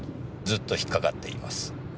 ずっと引っかかっています。